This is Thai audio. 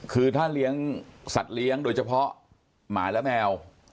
คือถ้าเลี้ยงสัตว์เลี้ยงโดยเฉพาะหมาและแมว